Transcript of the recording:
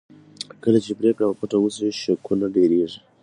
کله چې پرېکړې په پټه وشي شکونه ډېرېږي